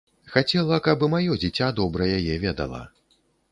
Хацела, каб і маё дзіця добра яе ведала.